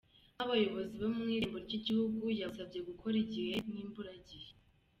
Nk’abayobozi bo mu irembo ry’igihugu yabasabye gukora igihe n’imburagihe.